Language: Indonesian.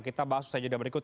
kita bahas saja di berikut